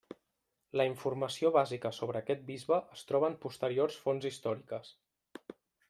La informació bàsica sobre aquest bisbe es troba en posteriors fonts històriques.